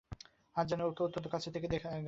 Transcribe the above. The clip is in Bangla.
আজ যেন ওকে অত্যন্ত কাছের থেকে দেখা গেল।